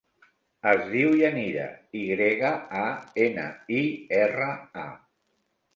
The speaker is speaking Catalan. Es diu Yanira: i grega, a, ena, i, erra, a.